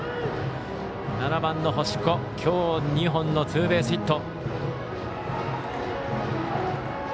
７番の星子きょう２本のツーベースヒット。